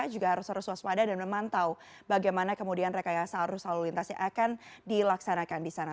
juga harus harus waspada dan memantau bagaimana kemudian rekayasa arus lalu lintas yang akan dilaksanakan di sana